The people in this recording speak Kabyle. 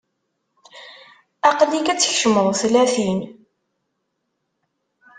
Aql-ik ad tkecmeḍ tlatin.